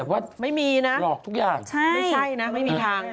ไม่มีนะไม่ใช่นะไม่มีทางรอกทุกอย่าง